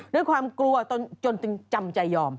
ด้วยความกลัวจนจึงจำใจยอม